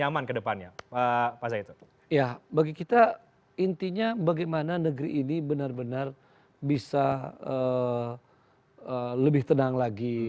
ya bagi kita intinya bagaimana negeri ini benar benar bisa lebih tenang lagi